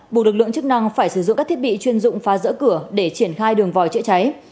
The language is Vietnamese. buộc lực lượng chức năng phải sử dụng các thiết bị chuyên dụng phá rỡ cửa để triển khai đường vòi chữa cháy